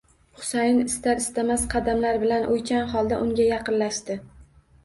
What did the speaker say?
Husayin istar-istamas qadamlar bilan o'ychan holda unga yaqinlashdi.